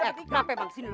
eh kenapa bang sini dulu